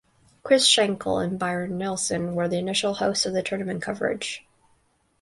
Chris Schenkel and Byron Nelson were the initial hosts of the tournament coverage.